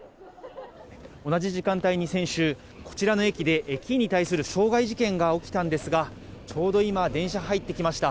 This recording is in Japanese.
同じ時間帯に先週こちらの駅で駅員に対する傷害事件が起きたんですがちょうど今電車が入ってきました。